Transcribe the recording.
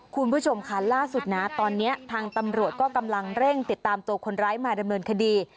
คุณผู้ชมค่ะล่าสุดนะตอนนี้ทางตำรวจก็กำลังเร่งติดตามตัวคนร้ายมาดำเนินคดี